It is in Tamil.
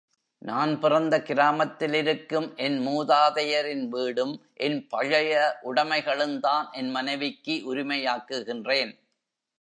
நான் பிறந்த கிராமத்திலிருக்கும் என் மூதாதையரின் வீடும், என் பழைய உடைகளையுந்தான் என் மனைவிக்கு உரிமையாக்குகின்றேன்.